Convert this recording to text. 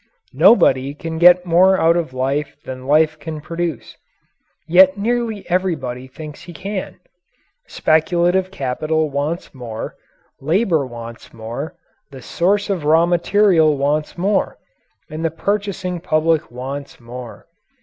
Nobody can get more out of life than life can produce yet nearly everybody thinks he can. Speculative capital wants more; labour wants more; the source of raw material wants more; and the purchasing public wants more.